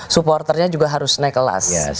supporternya juga harus naik kelas